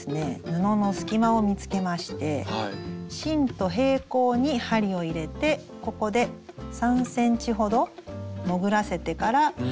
布の隙間を見つけまして芯と平行に針を入れてここで３ｃｍほど潜らせてから針を引き抜きます。